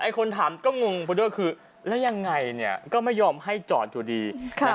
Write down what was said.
คนถามก็งงไปด้วยคือแล้วยังไงเนี่ยก็ไม่ยอมให้จอดอยู่ดี